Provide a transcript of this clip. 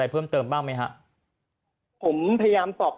ตอนนี้ยังไม่ได้นะครับ